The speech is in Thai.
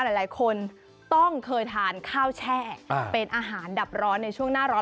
หลายคนต้องเคยทานข้าวแช่เป็นอาหารดับร้อนในช่วงหน้าร้อน